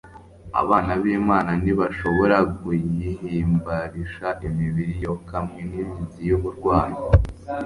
abana b'imana ntibashobora guyihimbarisha imibiri yokamwe n'imize y'uburwayi